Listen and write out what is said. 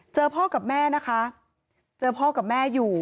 พ่อกับแม่นะคะเจอพ่อกับแม่อยู่